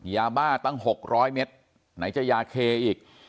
ยาบ้าตั้ง๖๐๐เมตรไหนจะยาเคอีก